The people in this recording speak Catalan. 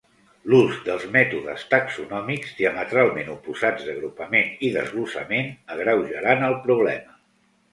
L'ús dels mètodes taxonòmics diametralment oposats d'agrupament i desglossament agreujaren el problema.